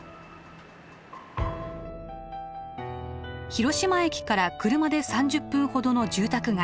広島駅から車で３０分ほどの住宅街。